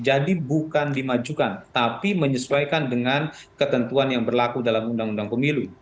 jadi bukan dimajukan tapi menyesuaikan dengan ketentuan yang berlaku dalam undang undang pemilu